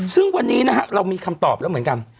ซึ่งวันนี้นะฮะเรามีคำตอบแล้วเหมือนกัน